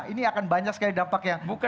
ini akan banyak sekali dampak yang kurang baik